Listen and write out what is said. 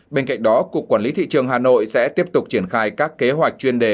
bên cạnh đó cục quản lý thị trường hà nội sẽ tiếp tục triển khai các kế hoạch chuyên đề